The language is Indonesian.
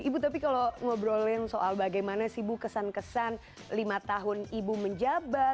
ibu tapi kalau ngobrolin soal bagaimana sih ibu kesan kesan lima tahun ibu menjabat